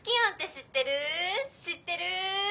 知ってる？